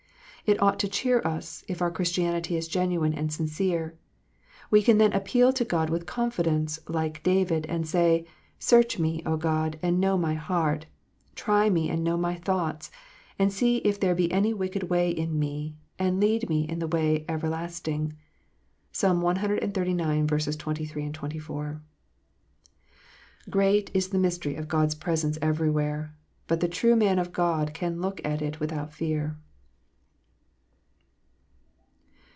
It ought to cheer us, if our Christianity is genuine and sincere, We can then appeal to God with confidence, like David, and say, " Search me, God, and know my heart : try me, and know my thoughts : and see if there be any wicked way in me, and lead me in the way everlasting." (Psalm cxxxix. 23, 24.) Great is the mystery of God s presence everywhere ; but the true man of God can look at it without fear.